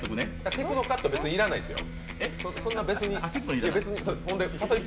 テクノカット要らないんですよ。